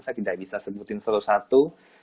saya tidak bisa sebutin seluruh satu